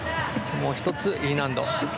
もう１つ、Ｅ難度。